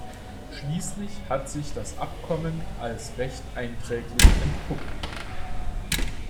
Schließlich hat sich das Abkommen als recht einträglich entpuppt.